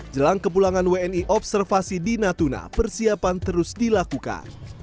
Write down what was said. jelang kepulangan wni observasi di natuna persiapan terus dilakukan